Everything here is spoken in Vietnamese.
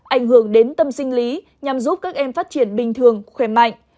ảnh hưởng đến tâm sinh lý nhằm giúp các em phát triển bình thường khỏe mạnh